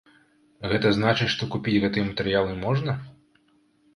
Гэта значыць, што купіць гэтыя матэрыялы можна?